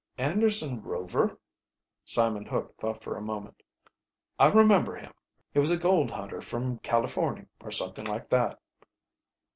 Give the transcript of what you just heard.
"Anderson Rover?" Simon Hook thought for a moment. "I remember him. He was a gold hunter from Californy, or somethin' like that."